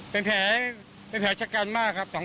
เป็นแผลชะกันมากครับ๒แผล